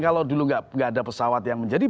kalau dulu nggak ada pesawat yang menjadi